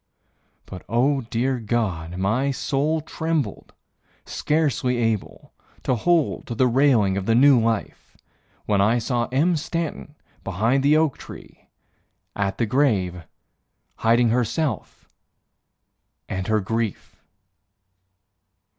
But oh, dear God, my soul trembled, scarcely able To hold to the railing of the new life When I saw Em Stanton behind the oak tree At the grave, Hiding herself, and her grief!